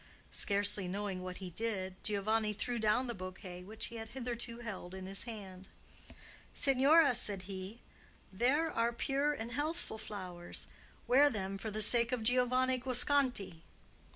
Scarcely knowing what he did, Giovanni threw down the bouquet which he had hitherto held in his hand. "Signora," said he, "there are pure and healthful flowers. Wear them for the sake of Giovanni Guasconti."